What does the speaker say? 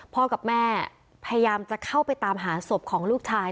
กับแม่พยายามจะเข้าไปตามหาศพของลูกชาย